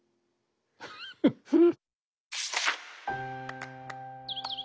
フフフッ。